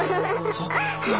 そっか。